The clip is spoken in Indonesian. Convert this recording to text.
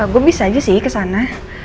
gue bisa aja sih kesana